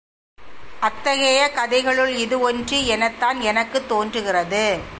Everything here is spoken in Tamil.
அத்தகையை கதைகளுள் இது ஒன்று எனத்தான் எனக்குத் தோன்றுகிறது.